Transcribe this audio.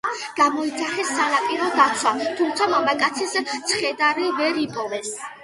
გამოიძახეს სანაპირო დაცვა, თუმცა მამაკაცის ცხედარი ვერ იპოვეს.